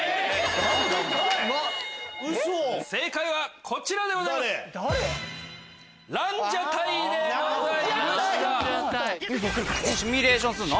ウソ⁉正解はこちらでございます。